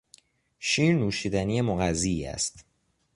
شیر نوشیدنی مغذی است.